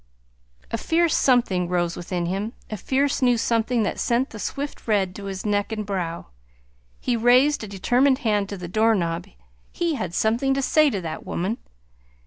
A fierce something rose within him a fierce new something that sent the swift red to his neck and brow. He raised a determined hand to the doorknob he had something to say to that woman!